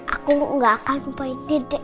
aku nggak akan lupain dede